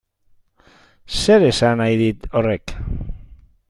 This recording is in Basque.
Zer esan nahi dik horrek?